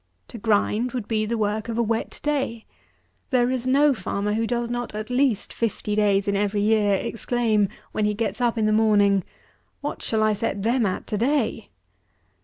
To grind would be the work of a wet day. There is no farmer who does not at least fifty days in every year exclaim, when he gets up in the morning, "What shall I set them at to day?"